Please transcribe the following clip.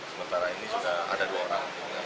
sementara ini juga ada dua orang